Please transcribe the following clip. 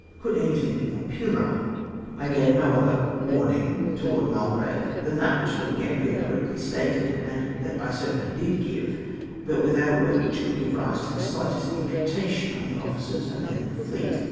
Could anything be more puerile ? I gave no other 92 ADMIRALTY ACCUSATION AGAINST LORD GAMBIER '■'■ loarmng'' to Lord Mitlgrave than that which Lord Gambler correctly stated, and that I certamly did give, bnt without a word which coidd give rise to the slightest imputation on the officers and men of the fleet.